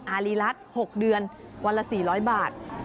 อารีรัฐ๖เดือนวันละ๔๐๐บาท